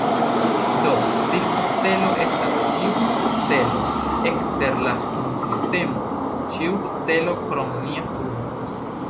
Do, fiksa stelo estas ĉiu stelo ekster la sunsistemo, ĉiu stelo krom nia suno.